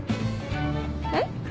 えっ？